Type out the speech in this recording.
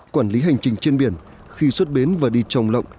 quản lý hành trình trên biển khi xuất bến và đi trồng lộng